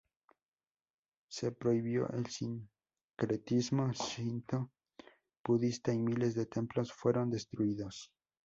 Se prohibió el sincretismo Shinto-Budista y miles de templos fueron destruidos.